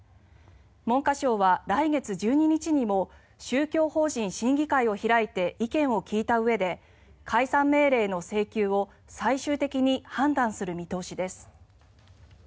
文科省は来月１２日にも宗教法人審議会を開いて意見を聞いたうえで解散命令の請求を最終的に判断する見通しです。